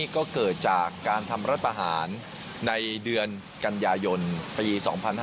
ก็เกิดจากการทำรัฐประหารในเดือนกันยายนปี๒๕๕๙